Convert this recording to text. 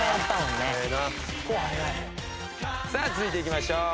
さあ続いていきましょう。